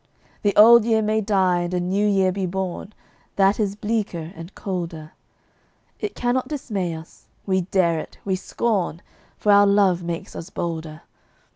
The old year may die and a new year be born That is bleaker and colder: It cannot dismay us; we dare it, we scorn, For our love makes us bolder.